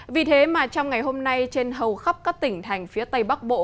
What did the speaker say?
vì thế mà trong ngày hôm nay trên hầu khắp các tỉnh thành phía tây bắc bộ